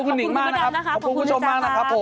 ขอบคุณคุณพระดับนะครับขอบคุณผู้ชมมากนะครับ